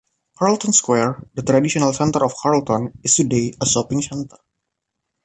Carlton Square, the traditional centre of Carlton is today a shopping centre.